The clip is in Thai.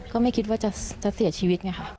ก็ไม่คิดว่าจะเสียชีวิตไงค่ะ